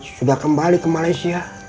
sudah kembali ke malaysia